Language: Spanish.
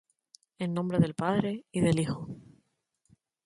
En el nombre del Padre, y del Hijo,